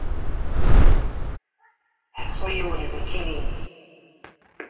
Ḥṣu yiwen ad nekini.